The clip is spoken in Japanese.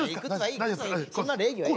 そんな礼儀はええ。